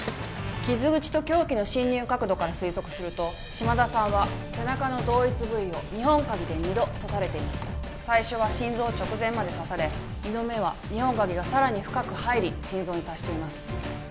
傷口と凶器の侵入角度から推測すると島田さんは背中の同一部位を二本鉤で二度刺されています最初は心臓直前まで刺され二度目は二本鉤がさらに深く入り心臓に達しています